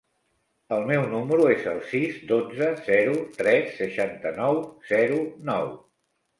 El meu número es el sis, dotze, zero, tres, seixanta-nou, zero, nou.